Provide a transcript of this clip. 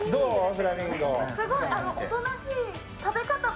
フラミンゴ。